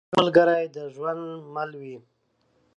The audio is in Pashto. ښه ملګری د ژوند مل وي.